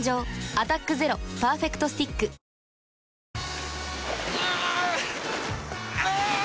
「アタックＺＥＲＯパーフェクトスティック」あ゛ーーー！